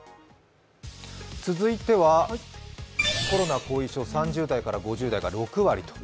続いてはコロナ後遺症、３０代から５０代が６割と。